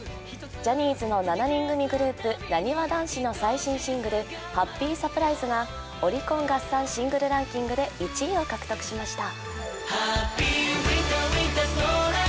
ジャニーズの７人組グループ、なにわ男子の最新シングル、「ハッピーサプライズ」がオリコン合算シングルランキングで１位を獲得しました。